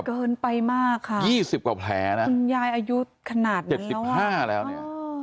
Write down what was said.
เกินไปมากค่ะคุณยายอายุขนาดนั้นแล้วอ่ะอ๋อ